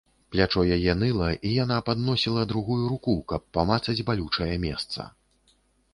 Плячо яе ныла, і яна падносіла другую руку, каб памацаць балючае месца.